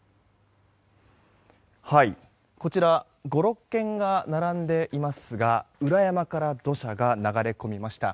こちら５６軒が並んでいますが裏山から土砂が流れ込みました。